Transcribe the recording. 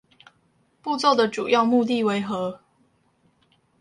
步驟的主要目的為何？